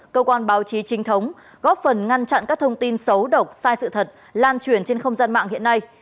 cơ quan báo chí trinh thống góp phần ngăn chặn các thông tin xấu độc sai sự thật lan truyền trên không gian mạng hiện nay